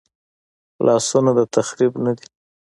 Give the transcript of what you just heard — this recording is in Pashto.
لاسونه د تخریب نه دي